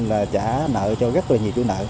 là trả nợ cho rất là nhiều chủ nợ